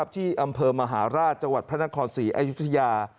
ที่อำเภอมหาราชจังหวัดพระนครศรีอยุธยา